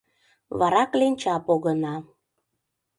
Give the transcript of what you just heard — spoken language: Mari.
вара кленча погына